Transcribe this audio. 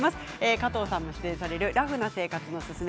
加藤さんの出演される「ラフな生活のススメ」